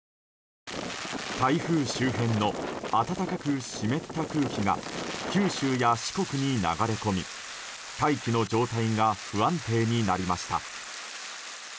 台風周辺の暖かく湿った空気が九州や四国に流れ込み大気の状態が不安定になりました。